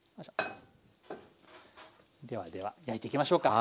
ではでは焼いていきましょうか。